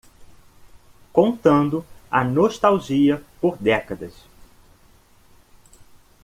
Contando a nostalgia por décadas